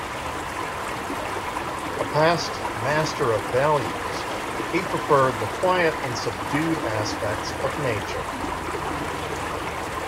A past master of values, he preferred the quiet and subdued aspects of nature.